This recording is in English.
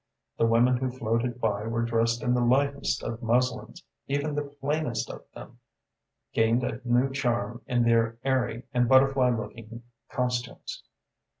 The women who floated by were dressed in the lightest of muslins; even the plainest of them gained a new charm in their airy and butterfly looking costumes.